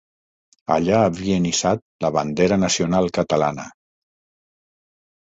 Allà havien hissat la bandera nacional catalana.